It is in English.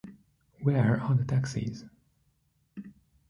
Where are the taxis?